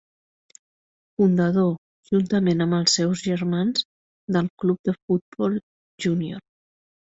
Fundador, juntament amb els seus germans del Club de Futbol Junior.